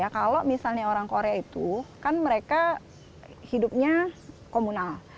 kalau misalnya orang korea itu kan mereka hidupnya komunal